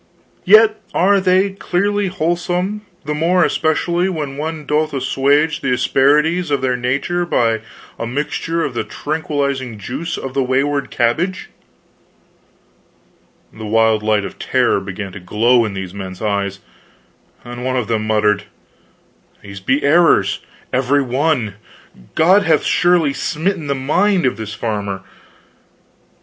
" yet are they clearly wholesome, the more especially when one doth assuage the asperities of their nature by admixture of the tranquilizing juice of the wayward cabbage " The wild light of terror began to glow in these men's eyes, and one of them muttered, "These be errors, every one God hath surely smitten the mind of this farmer."